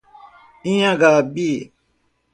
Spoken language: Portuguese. Inhangapi